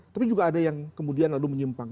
tapi juga ada yang kemudian lalu menyimpang